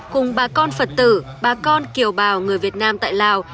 cùng bà con phật tử bà con kiều bào người việt nam tại lào